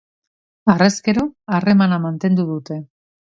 Harrezkero, harremana mantendu dute.